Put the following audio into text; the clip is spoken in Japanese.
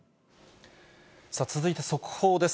続いて速報です。